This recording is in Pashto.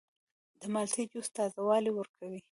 د مالټې جوس تازه والی ورکوي.